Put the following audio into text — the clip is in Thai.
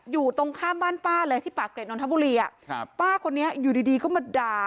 อยู่ตรงข้ามบ้านป้าเลยที่ปากเกร็ดนนทบุรีอ่ะครับป้าคนนี้อยู่ดีดีก็มาด่า